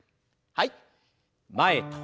はい。